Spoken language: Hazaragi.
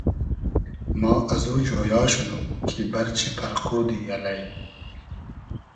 ما ازو جۉیا شودوم کی بئرچی پئرقودی الݷ